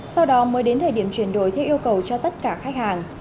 sau đó mới đến thời điểm chuyển đổi theo yêu cầu cho tất cả khách hàng